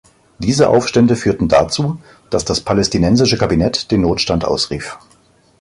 Diese Aufstände führten dazu, dass das palästinensische Kabinett den Notstand ausrief.